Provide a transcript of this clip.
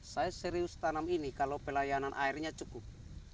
saya serius tanam ini kalau pelayanan airnya cukup